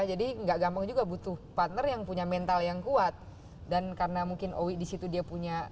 jadi gak gampang juga butuh partner yang punya mental yang kuat dan karena mungkin owi disitu dia punya